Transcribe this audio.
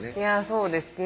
そうですね